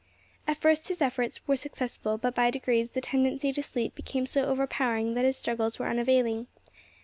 At first his efforts were successful, but by degrees the tendency to sleep became so overpowering that his struggles were unavailing.